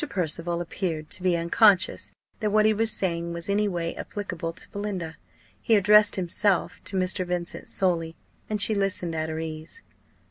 Percival appeared to be unconscious that what he was saying was any way applicable to Belinda. He addressed himself to Mr. Vincent solely, and she listened at her ease.